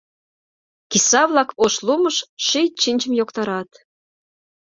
Киса-влак ош лумыш ший чинчым йоктарат.